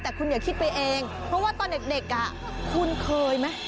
แต่คุณอย่าคิดไปเองเพราะว่าตอนเด็กคุณเคยไหม